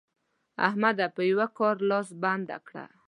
احمده! په یوه کار لاس بنده کړه.